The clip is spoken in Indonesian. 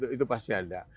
itu pasti ada